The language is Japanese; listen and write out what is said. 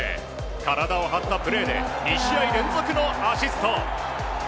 体を張ったプレーで２試合連続のアシスト！